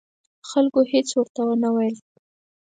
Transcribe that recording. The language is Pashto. خلکو هېڅ ورته ونه ویل.